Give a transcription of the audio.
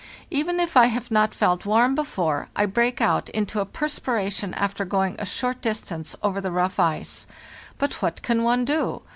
Even if I have not felt warm before, I break out into a perspiration after going a short distance over the rough ice. But what can one do?